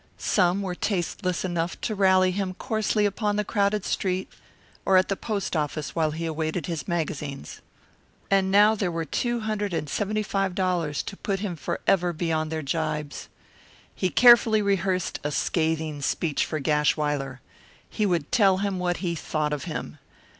Some were tasteless enough to rally him coarsely upon the crowded street or at the post office while he awaited his magazines. And now there were two hundred and seventy five dollars to put him forever beyond their jibes. He carefully rehearsed a scathing speech for Gashwiler. He would tell him what he thought of him.